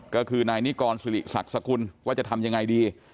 ก็คือนายนิกรสิริศักดิ์สกุลว่าจะทำยังไงดี